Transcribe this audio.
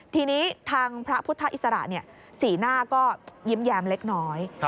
ทีนี้ทางพระพุทธอิสระสีหน้าก็ยิ้มแย้มเล็กน้อย